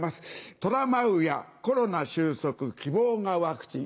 寅舞うやコロナ収束希望がワクチン。